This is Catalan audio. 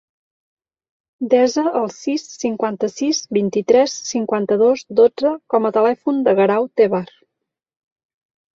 Desa el sis, cinquanta-sis, vint-i-tres, cinquanta-dos, dotze com a telèfon del Guerau Tevar.